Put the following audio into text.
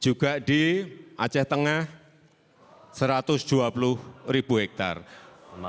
juga di aceh tengah satu ratus dua puluh ribu hektare